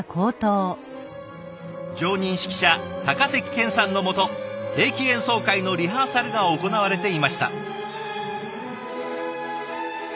常任指揮者高関健さんのもと定期演奏会のリハーサルが行われていました。